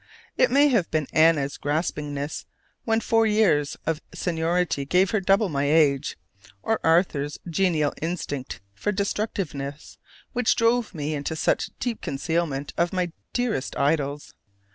It may have been Anna's graspingness, when four years of seniority gave her double my age, or Arthur's genial instinct for destructiveness, which drove me into such deep concealment of my dearest idols.